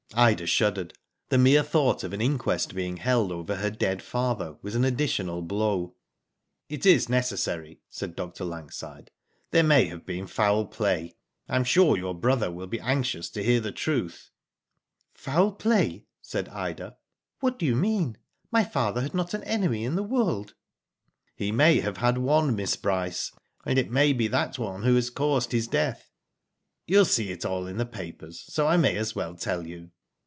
Ida shuddered. The mere thought of an Digitized byGoogk NO TRACE, 23 inquest being held over her dead father was an additional blow. *Mt is necessary," said Dr. Langside. "There may have been foul play. I am sure your brother will . be anxious to hear the truth." Foul play/' said Ida. "What do you mean? My father had not an enemy in the world." " He may have had one, Miss Bryce, and it may be that one who has caused his death. You will see it all in the papers, so I may as well tell you.